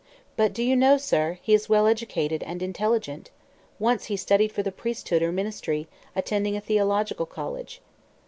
But, do you know, sir, he is well educated and intelligent. Once he studied for the priesthood or ministry, attending a theological college."